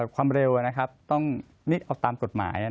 ความเร็วต้องเอาตามกฎหมาย